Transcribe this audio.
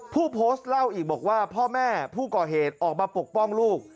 ผู้โพสต์เล่าอีกบอกว่าพ่อแม่ผู้ก่อเหตุออกมาปกป้องลูก